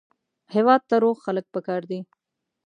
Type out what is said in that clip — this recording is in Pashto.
هېواد ته روغ خلک پکار دي